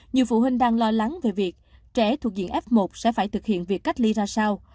nhiều phụ huynh đang lo lắng về việc trẻ thuộc diện f một sẽ phải thực hiện việc cách ly ra sao